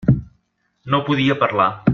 No podia parlar.